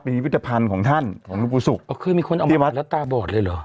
เป็นวิทยาพันธ์ของท่านของลูกปูศุกร์เคยมีคนเอามาอ่านละตาบอดเลยเหรอ